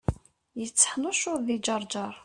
Yetteḥnuccuḍ di Ǧerǧer.